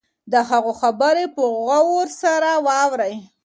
د هغوی خبرې په غور سره واورئ.